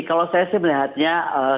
kalau saya sih melihatnya